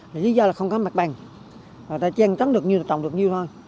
lý do là không có mạch bành người ta trang trắng được nhiều là trồng được nhiều thôi